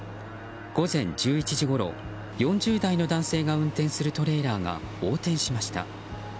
午前１１時ごろ４０代の男性が運転するトレーラーが横転しました。